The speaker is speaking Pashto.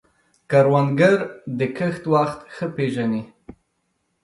کروندګر د کښت وخت ښه پېژني